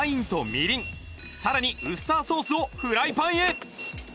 更にウスターソースをフライパンへ